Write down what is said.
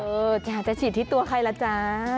อยากจะฉีดที่ตัวใครล่ะจ๊ะ